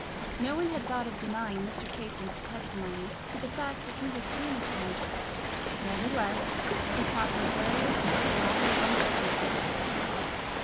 No one had thought of denying Mr. Casson's testimony to the fact that he had seen the stranger; nevertheless, he proffered various corroborating circumstances.